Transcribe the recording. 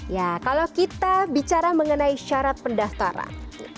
ya kalau kita bicara mengenai syarat pendaftaran